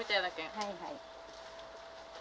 はいはい。